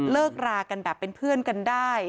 เลิกรากันแบบเป็นเพื่อนกันได้